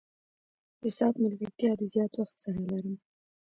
د ساعت ملګرتیا د زیات وخت څخه لرم.